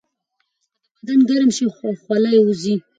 که بدن ګرم شي، خوله یې وځي.